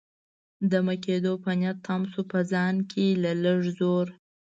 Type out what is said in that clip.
دمه کېدو په نیت تم شوم، په ځان کې له لږ زور.